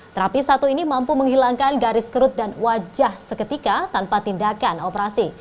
terapi satu ini mampu menghilangkan garis kerut dan wajah seketika tanpa tindakan operasi